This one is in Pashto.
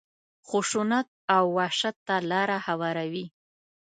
خشونت او وحشت ته لاره هواروي.